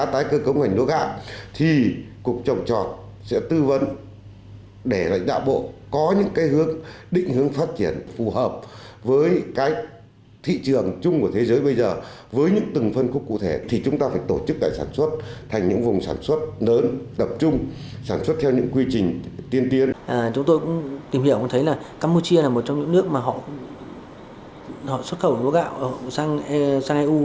trong những nước mà họ xuất khẩu lúa gạo sang eu